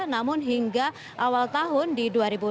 namun hingga awal tahun di dua ribu delapan belas